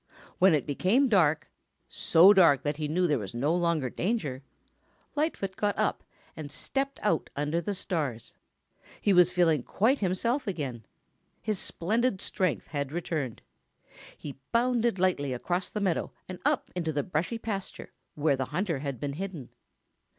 When it became dark, so dark that he knew there was no longer danger, Lightfoot got up and stepped out under the stars. He was feeling quite himself again. His splendid strength had returned. He bounded lightly across the meadow and up into the brushy pasture where the hunter had been hidden.